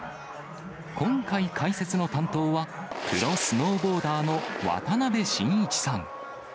今回、解説の担当はプロスノーボーダーの渡辺伸一さん。